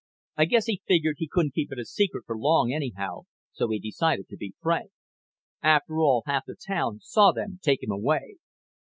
"I guess he figured he couldn't keep it a secret for long anyhow, so he decided to be frank. After all, half the town saw them take him away."